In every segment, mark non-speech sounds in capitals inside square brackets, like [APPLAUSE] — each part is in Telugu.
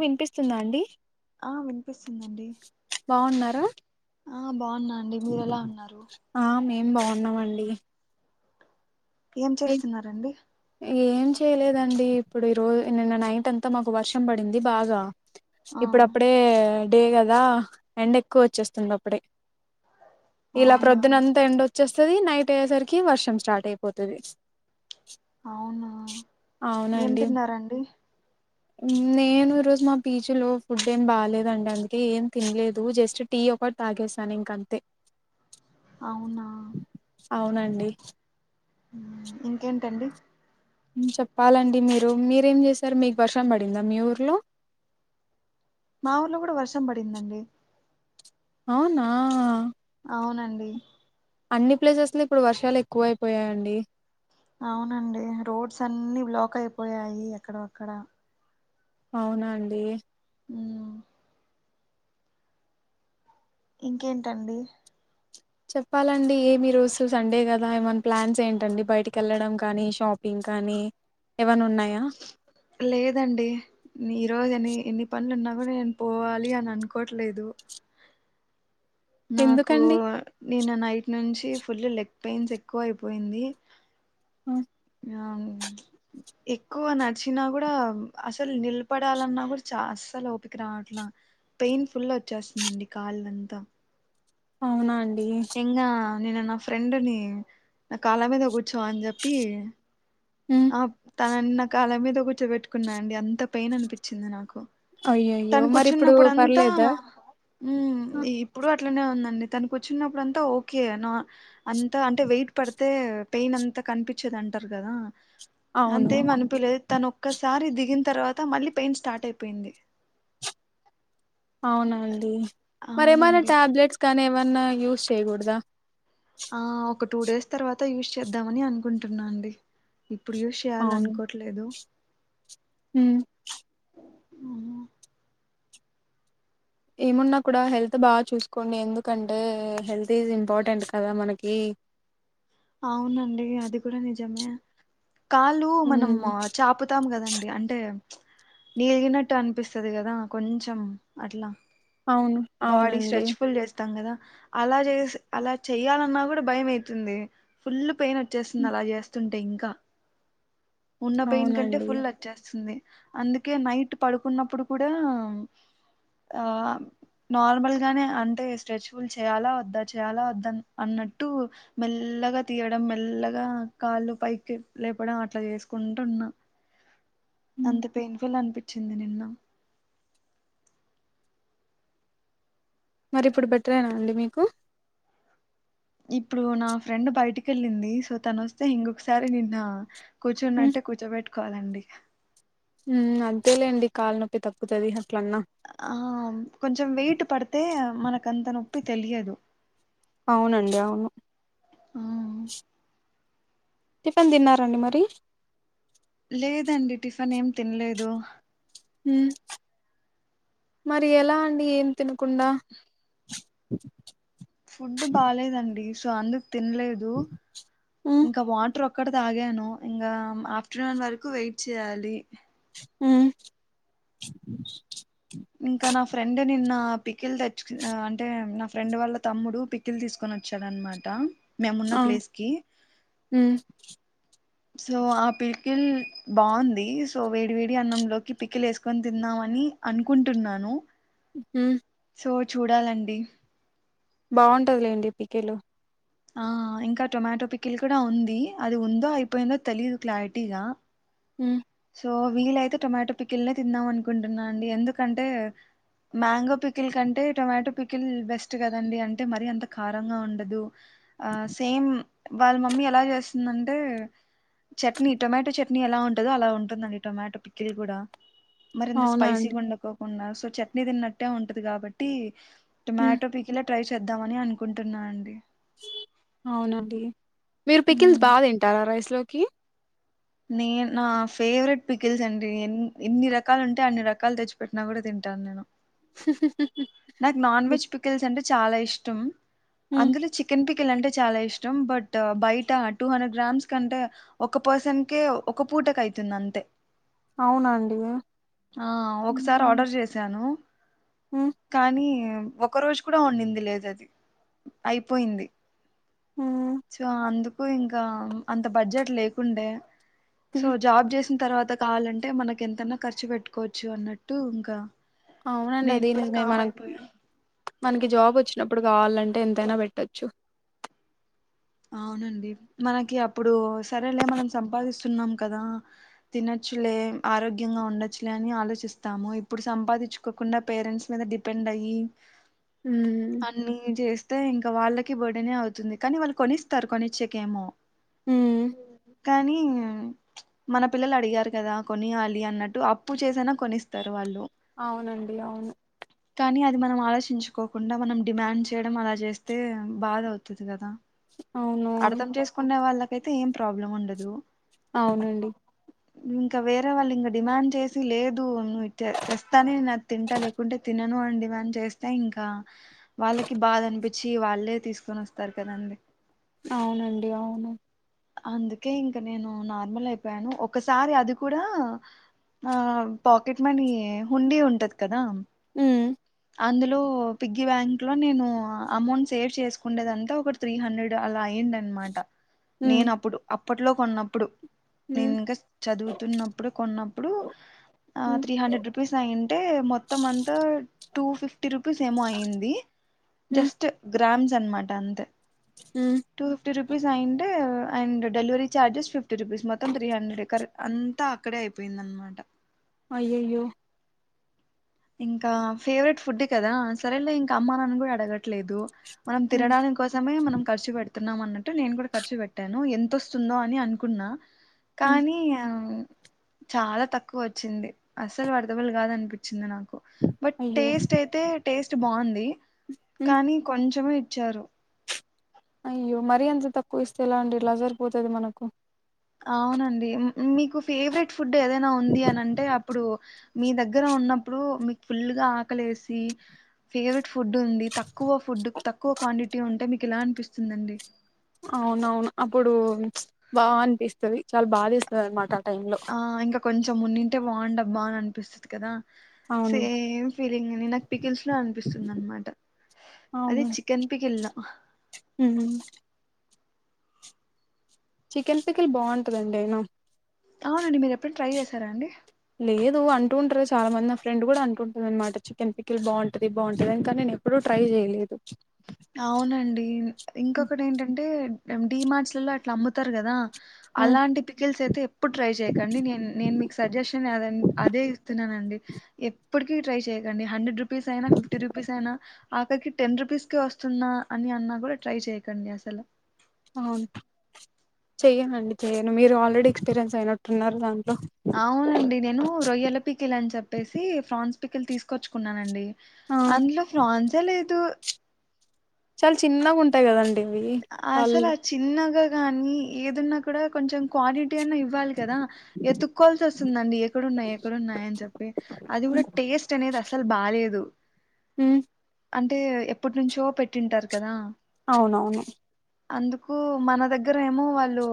వినిపిస్తుందా అండి ఆ వినిపిస్తుందండి బాగున్నారా ఆ బాగున్నా అండి మీరు ఎలా ఉన్నారు ఏం బాగున్నామండి ఏం ఏ చేస్తున్నారంండి ఏం చేయలేదండి ఇప్పుడు ఈరోజు నిన్న నైన్ట్ెంత మాకు వర్షం పడింది బాగా ఆ ఇప్పుడు అప్పుడే డే కదా ఎండ్ ఎక్కువ వచ్చేస్తుండ అప్పుడే ఇలా అవునా ప్రొద్దున అంతా ఎం వచ్చేస్తది నైట్ అయేసరికి వర్షం స్టార్ట్ అయిపో తది అవునా ఏం తిన్నారండి నేను ఈరోజు మా పీజిలో ఫుడ్ ఏం బాగలేదండి అందుకే ఏం తినలేదు జస్ట్ టీ ఒకటి తాగేసాను ఇంకంతే అవునా అవునండి ఇంకేంటండి ఉమ్ చెప్పాలండి మీరు మీరేం చేసారు మీకు వర్షం పడిందా మీ ఊర్లో మా ఊర్లో కూడా వర్ష్ పడిందండి అవునా అవునండి అన్ని ప్లేసెస్ లో ఇప్పుడు వర్షాలు ఎక్కువ అయిపోయాయండి అవునండి రోడ్స్ అన్ని బ్లాక్ అయిపోయాయి ఎక్కడవక్కడ అవునా అండి ఉమ్ ఇంకేంటండి చెప్పాలండి ఏమి రోజు సండే కదా ఏమన ప్లాన్స్ ఏంటండి బయటికి వెళ్ళడం కానీ షాపింగ్ కానీ ఏవన్నా ఉన్నాయా లేదండి నీ ఈరోజని ఎన్ని పనులున్నా కూడా నేను పోవాలి అని అనుకోట్లేదు నాకు ఎందుకండి నిన్న నైట్ నుంచి ఫుల్ లెగ్ పెయిన్స్ ఎక్కువయిపోయింది ఆ [INAUDIBLE] ఎక్కువ నడ్చినా కూడా అసలు నిలబడాలన్నా కూడా చ అస్సలు ఓపిక రావట్లా. పెయిన్ ఫుల్ వచ్చేస్తుందండి కాళ్ళంతా అవునా అం ఇంగా నిన్న నా ఫ్రెండునీ నా కాల్ల మీద కూర్చో అని చెప్పి ఉమ్ ఆ తనని కాల్ల మీద కూర్చోబెట్టుకున్నా అండి అంత పెయిన్ అనిపించింది నాకు అయ్యయ్యో మరి ఇప్పుడు తనుకూర్చున్నప్పుడంతా పర్లేదా ఉమ్ ఆ! ఇప్పుడు అ అట్లనే ఉందండి తనకూచ్చునప్పుడు అంతా ఓకే. నా అంతా అంటే వెయిట్ పడితే పెయిన్ అంతా కనిపించదు అంటారు కదా. అవును అంతేమనిపిలేదు తనొక్క స్ సారి దిగిన తర్వాత మళ్ళీ పెయిన్ స్టార్ట్ అయిపోయింది అవునా అండి మరేమైనా అవునండి టాబ్లెట్స్ కానీ వన్న యూస్ చేయగూడదా ఆ ఒక టూ డేస్ తర్వాత యూస్ చేద్దామని అనుకుంటున్నా అండి ఇప్పుడు యూస్ చేయ్యాలనుకోట్లేదు హ్మ్ ఏమున్నా కూడా హెల్త్ బాగా చూసుకోండి ఎందుకంటే హెల్త్ ఈజ్ ఇంపార్టెంట్ కదా మనకి అవునండి అది కూడా నిజమే కాళ్ళు మనం ఉమ్ చాపుతాం కదండి అంటే నీలిగినట్టు అనిపిస్తుది కదా కొంచెం అట్లా అవును బాడీ అవునండి స్ట్రెచ్ఫుల్ చేస్తాం కదా అలా చేసి అలా చేయాలన్నా కూడా భయం ఐతుంది ఫుల్ పెయిన్ వచ్చేస్తుంది అలా చేస్తుంటే ఇంకా ఉన్న పెయిన్ కంటే అవునండి ఫుల్ అచ్చేస్తుంది అందుకే నైట్ పడుకున్నప్పుడు కూడా ఆ నార్మల్ గానే అంటే స్ట్రెచ్ ఫుల్ చేయాలా వద్దా చేయాలా వద్ద అన్నట్టు మెల్లగా తీయడం మెల్లగా కాళ్ళు పైకి లేపడం అట్లా చేసుకుంటున్నా హ్మ్. అంత పెయిన్ఫుల్ అన్పి చ్చింది నిన్న మరి ఇప్పుడు బెటరేనా అండి మీకు ఇప్పుడు నా ఫ్రెండ్ బయటికెళ్ళింది సో తను వస్తే ఇంకొకసారి నిన్న కూర్చున్నట్టే కూర్చోబెట్టు కోవాలండి ఊ అదేలేండి కాలు నొప్పి తక్కుతది ఆం కొంచెం వెయిట్ పడితే మనకు అంత నొ ప్పి తెలియదు అవునండి అవును ఆ టిఫెన్ తిన్నారా అండి మరి లేదండి టిఫిన్ ఏం తినలేదు ఉ మరి ఎలా అండి ఏం తిను కుడా సంద తినలేదు ఉమ్ ఇంకా వాటర్ ఒక అక్కడ తాగాను ఇంకా ఆఫ్టర్నూన్ వరకు వెయిట్ చేయాలి ఆ ఇంకా నా ఫ్రెండ్ నిన్న పిక్ కళ తెచ్చు అంటే నా ఫ్రెండ్ వాళ్ళ తమ్ముడు పిక్కిలు తీసుకొని వచ్చాడనమాట మేమున్న ఆ ప్లేస్ కి సో ఆ పికిల్ బాగుంది సో వేడి వేడి అన్నంలోకి పిక్కిల్ వేసుకొని తిందామని అనుకుంటున్నాను హ సో చూడాలండి బాగుంటదిలేండి పీకేలు ఆ ఇంకా టొమాటో పిక్కిల్ కూడా ఉంది అది ఉందో అయిపోయిందో తెలియదు క్లారిటీగా హ సో వీలైతే టొమాటో పిక్కిల్నే తిందాం అనుకుంటున్నా అండి ఎందుకంటే మ్యాంగో పిక్కిల్ కంటే టొమాటో పిక్కిల్ బెస్ట్ కదండి అంటే మర అంత కారంగా ఉండదు ఆ సేమ్ వాళ్ళ మమ్మీ ఎలా చేస్తుందంటే చట్నీ టొమాటో చట్నీ ఎలా ఉంటదో అలా ఉంటుందండి టొమాటో పిక్కిల్ కూడా మరెంత అవునా స్పైసి అండి కొండకు ఉన్నారు సో చట్నీ తిన్నట్టే ఉంటది కాబట్టి ఉమ్ టొమాటో పికిలే ట్రై చేద్దాంమని అనుకుంటున్నానండి అవునండి మీరు పిక్కిన్స్ మ్మ్. బాగా తింటారా రైస్ లో కి నే నా ఫేవరెట్ పికిల్స్ అండి ఎ ఎన్ని రకాలు ఉంటే అన్ని రకాలు తెచ్చిపెట్టినా కూడా తింటాను నేను నాకు నాన్ వెెజ్ పికల్స్ అంటె చాలా ఇష్టం ఉమ్ అందులో చికెన్ పిక్ కిల్ అంటే చాలా ఇష్టం బట్ బయట టూ హండ్రెడ్ గ్రామ్స్ కంటే ఒక పర్సన్ కే ఒక పూటకి అయ్తుంది అంతే అవునండి ఆ ఒకసారి ఉమ్ ఆర్డర్ చేసాను ఉమ్ కానీ ఒక రోజు కూడా ఉనింది లేదది అయిపోయింది ఉమ్ సో అందుక్ కు ఇంకా అంత బడ్జెట్ లేకుండే సో జాబ్ చేస్ హ్మ్ తర్వాత కావాలంటే మనకి ఎంతన్న ఖర్చు పెట్టుకోవచ్చు అన్నట్టు ఇంకా అవునండి నేను అది కూడా నిజమే కామ్ మనకి అయిపోయాను మనకి జాబ్ వచ్చినప్పుడు కావాలంటే ఎంతైనా పెట్టచ్చు అవునండి మనకి అప్పుడు సరేలే మనం సంపాదిస్తున్నాం కదా తినచ్చులే ఆరోగ్యంగా ఉండొచ్చులే అని ఆలోచిస్తాము ఇప్పుడు సంపాదించుకోకుండా పేరెంట్స్ మీద డిపెండ్ అయ్యి ఉమ్ అన్నీ జెస్ స్తే ఇంకా వాళ్ళకి బర్డనే అవుతుంది కానీ వాళ్ళకి కొనిస్తారు కొనిచ్చకేమో ఉమ్ కాని ప్చ్ మన పిల్లలు అడిగారు కదా కొనియాలి అన్నట్టు అప్పు చేసనా కొనిస్తారు వాళ్ళు అవునండి అవును కానీ అది మనం ఆలోచించుకోకుండా మనం డిమాండ్ చేయడం అలా చేస్తే బాధ అవుతుంది కదా అవును అర్ధం చేసుకునే వాళ్ళకి అయితే ఏం ప్రాబ్లం ఉండదు అవునండి ఇంకా వేరే వాళ్ళు ఇంక డిమాండ్ చేసి లేదు నువ్వు ఇట తెస్తానే నేన్ అది తింటా లేకుంటే తినను అని డిమాండ్ చేస్తే ఇంకా వాళ్ళకి బాధ అనిపి వచ్చి వాళ్ళే తీసుకొని వస్తారు కదండి అవునండి అవును అందుకే ఇంక నేను నార్మల్ అయిపోయాను ఒకసారి అది కూడా ఆ పాకెట్ మనీ హుండి ఉంటది కదా మ్మ్ అందులో పిగ్గిీ బ్యాంక్ లో నేను అ అమౌంట్ సేవ్ చేసుకుండేదంత ఒక త్రీ హండ్రెడ్ అలా ఏంటనమాట ఉమ్ నేను అప్పుడు అప్ అప్పట్లో కొన్నప్పుడు నేను ఉమ్ ఇంకా చదువుతున్నప్పుడు కొన్నప్పుడు ఆ ఉమ్ త్రీ హండ్రెడ్ రూపీస్ అయింద్ అంటే మొత్తం అంతా టూ ఫిఫ్ ఫిఫ్టీ రూపీస్ ఏమో అయింది ఉమ్ జస్ట్ గ్రామ్స్ అనమాట అంతే ఉమ్ టూ ఫిఫ్టీ రూప్ రుపీస్ అయింటే and delivery charges fifty rupees మొత్తం త్రీ హండ్రెడ్ కర అంతా అక్కడే అయిపోయింది అనమాట అయ్యాయో ఇంకా ఫేవరెట్ ఫుడ్ కదా సరేలే ఇంకా అమ్మా నాన్న కూడా అడగట్లేదు మనం ఉమ్ తినడానికి కోసమే మనం ఖర్చు పెడుత్ తున్నాం అన్నట్టు నేను కూడా ఖర్చు పెట్టాను ఎంతొస్తుందో అని అనుకున్నా ఉమ్ కానీ ఆ చాలా తక్కువ వచ్చింది అస్సలు వర్థబుల్ కాద అనిపిచింది నాకు బట్ అయ్యో టేస్ట్ అయితే టేస్ట్ స్ట్ బాగుంది ఉమ్ కానీ కొంచమే చ్చారు అయ్యో మరీ అంత తక్కువ ఇస్తే ఎలా అండి ఏలాజరిపోతది మనకు అవునండి మ్ మ్ మీకు ఫేవరెట్ ఫుడ్ ఏదైనా ఉంది అని అంటే అప్పుడు మీ దగ్గర ఉన్నప్పుడు మీకు ఫుల్గా ఆకలేసి ఫేవరెట్ ఫుడ్ ఉంది తక్కువ ఫుడ్ తక్కువ క్వాంటిటీ ఉంటే మీకు ఎలా అనిపిస్తుందండి అవునవును అప్పుడు బా అనిపిస్తది చాలా భాదేస్తది అనమాట టైమ్ లో ఆ ఇంకా కొంచెం కొంచమున్నింటే బగుండబ్బా అని అనిపిస్తది కదా అవును సేమ్ ఫీలింగ్ని నాకు పికిల్స్ లో అనిపిస్తుంది అనమాట అది అవును చికెన్ పికిల్ల్ ఉమ్ చికెన్ పిక్కల్ బాగుంటదండి అయినా అవునండి మీరు ఎప్పుడు ట్రై చేశారా అండి లేదు అంటుంటరు చాలా మంది నా ఫ్రెండ్ కూడా అంటుంటది అనమాట చికెన్ పిక్కిల్ బాగుంటది బాగుంటది అని కని నేను ఎప్పుడూ ట్రై చేయలేదు అవునండి ఇంకొకటి ఏంటంటే మేం డీ మార్ట్స్లల అట్లా అమ్ముతారు కదా అలాంటి పికల్స్ అయితే ఇప్పుడు ట్రై చెయకండి నే నేను మీకు సజెషన్ అద అదే ఇస్తున్నాన అండి ఎప్పటికీ ట్రై చెయ్యకండి హండ్రెడ్ ర రుపీస్ అయినా ఫిఫ్టీ రూపీస్ అయినా ఆకరికి టెన్ రూపీస్క వస్తుంది వస్తున్నా అని అన్నా కూడా ట్రై చేయకండి అసలు అవును చెయ్యనండి చెయ్యను మీరు ఆల్రెడీ ఎక్స్పీరియన్స్ అయినట్టున్నారు దానికి అవునండి నేను రొయ్యలో పీకిల్ అని చెప్పను చెప్పేసి ఫాన్స్ పికిల్ తీసుకొచ్చుకున్నాన అండి ఆ అందులో ఫ్రాన్స్ ఏ లేదు చాలా చిన్నగా ఉంటాయి కదండి ఇవి ఆసలు పళ్ళు చిన్నగా కానీ ఏదున్నా కూడా కొంచెం క్వాలిటీ అన్నా ఇవ్వాలి కదా ఎతుక్కవాల్సి వస్తుందండి ఎక్కడన్నాయి ఎక్కడన్నాయ అని చెప్పి అది కూడా టేస్ట్ అనేది అసలు బాలేదు హ అంటే ఎప్పటి నుంచో పెట్టింటారు కదా అవునవును అందుకు మన దగ్గర ఏమో వాళ్ళు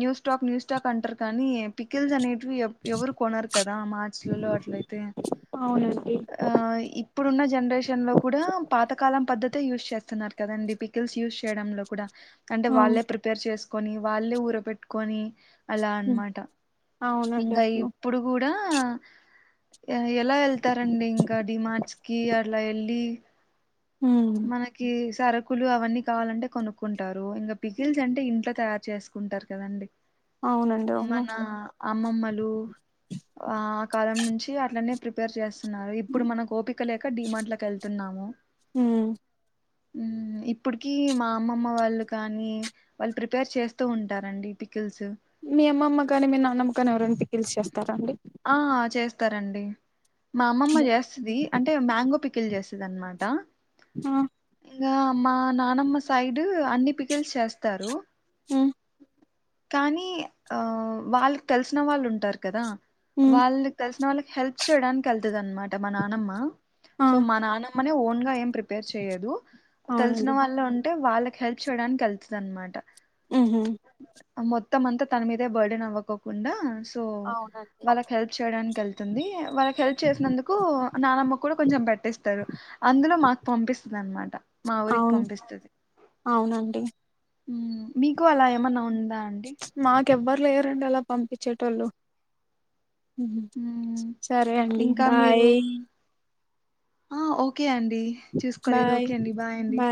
న్యూస్ టాక్ న్ూస్ స్టాక్ అంటారు కానీ పికిల్స్ అనే ఎవరు కొనరు కదా మార్చలలో అట్లయితే అవునండి ఆ ఇప్పుడున్న జనరేషన్ లో కూడా పాతకాలం పద్ధతి యూస్్ చేస్తున్నారు కదండి పికల్స్ యూ చేయడంలో కూడా అంటే అవు వాళ్ళే ప్రిపేర్ చేసు కొని వాళ్ళే ఊర పెట్టుకొని అలా హ్మ్ అన్నమాట అవునండి ఇంకా అవును ఇప్పుడు కూడా ఎలా వెళ్తారండి ఇంకా డిమార్ట్స్ కి అలా వెళ్ళి హ్మ్ మనకి సరుకులు అవన్నీ కావాలంటే కొనుక్కుంటారు ఇంకా పిగిల్స్ అంటే ఇంట్లో తయారు చేసుకుంటారు కదండి అవునండి అవును మన అమ్మమ్మలు ఆ ఆ కాలం నుంచి ంచి అట్న్ననే ప్రిపేర్ చేస్తాారు ఇప్పుడు మనకు కోపిక లేక డీమాార్ట్లకి వెళ్తున్నాము ఉమ్ ఇప్పుడుకి మా అమ్మమ్మ వాళ్ళు కానీ వాళ్ళు ప్రిపేర్ చేస్తూ ఉంటారండి పికిల్స్ మీ అమ్మమ్మ కానీ మీ నాన్నమ్మ కానీ ఎవరని పిీల్చ చేస్తారండి ఆ చేస్తారండి మా అమ్మమ్మ చేస్తది అంటే మ్యాంగో పిక్ పికిల్ చేస్తదన్నమాట ఆ ఇంగ మా నానమ్మ సైడ్ అన్ని పికిల్స్ చేస్తారు. ఉ కానీ ఆ వాళ్ళక్ తెలిసిన వాళ్ళు ఉంటారు కదా ఉమ్ వాళ్ళక్ తెలిసిన వాళ్ళకి హెల్ప్ చేయడానికి వెళ్తది అనమాట మా నానమ్మ ఆ సో మా నాన్న మని ఓన్ గా ఏం ప్రిపేర్ చేయదు తెలిసిన అవునండి వాళ్ళు ఉంట వాళ్ళకి హెల్ప్ చేయడానికి వెళ్తది అనమాట అంటే ఊహూ మొత్తం అంతా తన మీదే బర్త్డేనవ్వకోకుండా అవునండి. వెళ్తుంది. వాళ్ళకి హెల్ప్ చేసినందుకు నానమ్మ కూడా కొంచెం పెటిస్తారు అందులో మాకు పంపిస్తుంది అనమాట మా ఊరికి అవును పంపిస్తుది. అవునండి మీకు అలా ఏమన్నా ఉందాండి. మాక్ ఇంకెవ్వరు లేరండి అలా పంపించేటోళ్ళు మ్మ్. సరే అండి ఇంకా మీరు బాయ్ ఆ ఓకే అండి అండి చూసుకోలేదు బాయ్ ఓకే అండి బాయ్ అండి